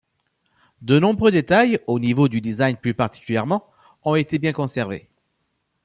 De nombreux détails, au niveau du design plus particulièrement, ont été bien conservés.